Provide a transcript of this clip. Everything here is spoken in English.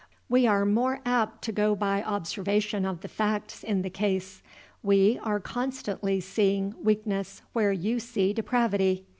We are more apt to go by observation of the facts in the case. We are constantly seeing weakness where you see depravity.